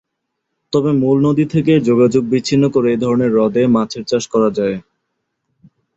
তবে মূল নদী থেকে যোগাযোগ বিচ্ছিন্ন করে এ ধরনের হ্রদে মাছের চাষ করা যায়।